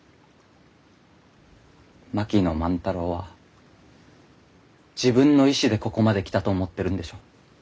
槙野万太郎は自分の意志でここまで来たと思ってるんでしょ？